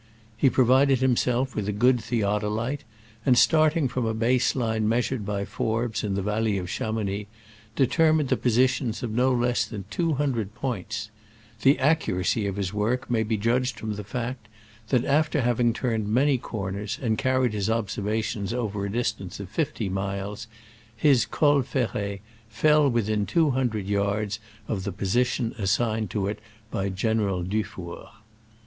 He provided himself with a good theodolite, and, starting from a base line measured by Forbes in the valley of Chamounix, determined the positions of no less than two hun dred points. The accuracy of his work may be judged from the fact that, after having turned many corners and carried Digitized by Google SCRAMBLES AMONGST THE ALPS IN i86o '69. 97 his observations over a distance of fifty miles, his Col Ferret "fell within two hundred yards of the position assigned to it by General Dufour